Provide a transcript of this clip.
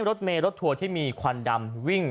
รถเมย์รถทัวร์ที่มีควันดำวิ่ง